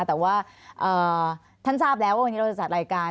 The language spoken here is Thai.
แต่ว่าท่านทราบแล้วว่าวันนี้เราจะจัดรายการ